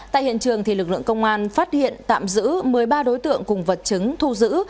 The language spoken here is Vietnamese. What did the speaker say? tại hiện trường lực lượng công an phát hiện tạm giữ một mươi ba đối tượng cùng vật chứng thu giữ